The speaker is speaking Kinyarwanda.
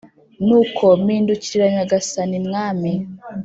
nuko mpindukirira Nyagasani mwmi